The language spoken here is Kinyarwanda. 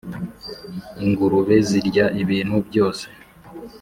ingurube zirya ibintu byose